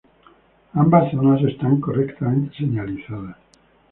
Ambas zonas están correctamente señalizadas.